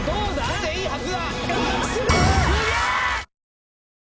出ていいはずだ。